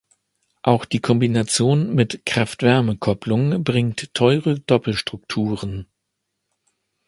Auch die Kombination mit Kraft-Wärme-Kopplung bringt teure Doppelstrukturen.